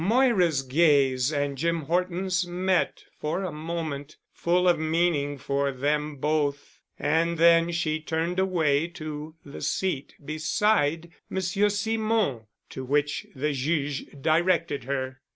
Moira's gaze and Jim Horton's met for a moment, full of meaning for them both, and then she turned away to the seat beside Monsieur Simon to which the Juge directed her.